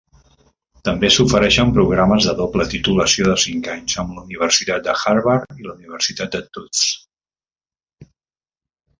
També s'ofereixen programes de doble titulació de cinc anys amb la Universitat de Harvard i la Universitat de Tufts.